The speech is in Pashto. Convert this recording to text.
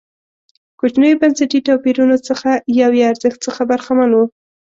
کوچنیو بنسټي توپیرونو څخه یو یې ارزښت څخه برخمن و.